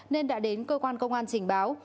nên đã đến cơ quan công an trình báo